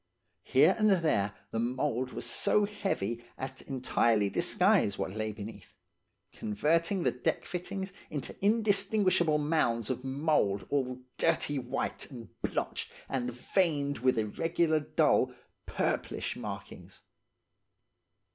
Here and there the mould was so heavy as to entirely disguise what lay beneath, converting the deck fittings into indistinguishable mounds of mould all dirty white and blotched and veined with irregular, dull, purplish markings.